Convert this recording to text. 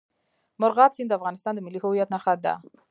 مورغاب سیند د افغانستان د ملي هویت نښه ده.